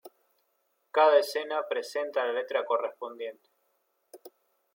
Cada escena presenta la letra correspondiente.